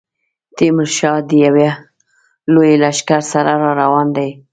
تیمورشاه د یوه لوی لښکر سره را روان دی.